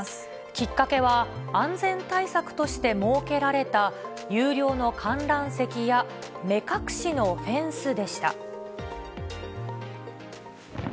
きっかけは、安全対策として設けられた有料の観覧席や目隠しのフェンスでした。